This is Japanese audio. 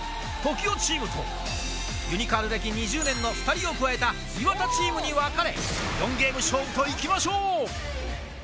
ＴＯＫＩＯチームと、ユニカール歴２０年の２人を加えた岩田チームに分かれ、４ゲーム勝負と行きましょう。